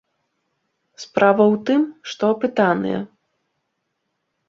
Справа ў тым, што апытаныя.